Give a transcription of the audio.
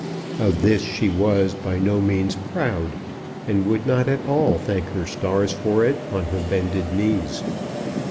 Of this she was by no means proud, and would not at all thank her stars for it on her bended knees.